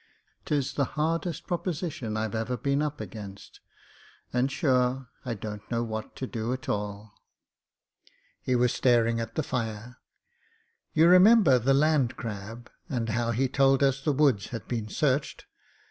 Tis the hardest proposition I've ever been up against, and sure I don't know what to do at all." THE MOTOR GUN 41 He was staring at the fire. "You remember the Land Crab and how he told us the woods had been searched?